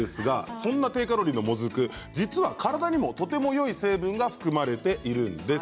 そんな低カロリーなもずくですが体にもとてもよい成分が含まれているんです。